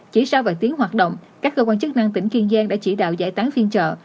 chỉ sau vài tiếng hoạt động các cơ quan chức năng tỉnh kiên giang đã chỉ đạo giải tán phiên chợ